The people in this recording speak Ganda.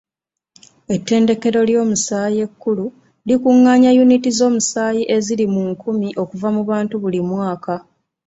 Etterekero ly'omusaayi ekkulu likungaanya yuniti z'omusaayi eziri mu nkumbi okuva mu bantu buli mwaka.